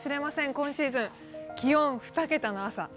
今シーズン、気温２桁の朝。